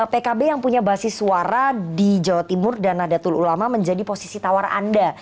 pkb yang punya basis suara di jawa timur dan nadatul ulama menjadi posisi tawar anda